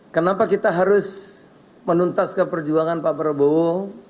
kenapa kita harus menuntas ke perjuangan pak prabowo